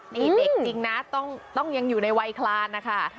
นี่เด็กจริงนะต้องยังอยู่ในวัยคลานนะคะ